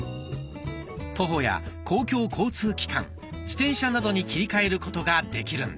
徒歩や公共交通機関自転車などに切り替えることができるんです。